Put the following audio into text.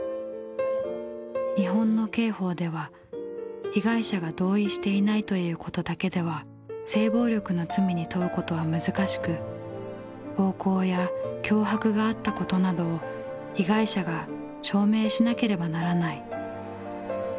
日本の刑法では被害者が同意していないということだけでは性暴力の罪に問うことは難しく暴行や脅迫があったことなどを被害者が証明しなければならない。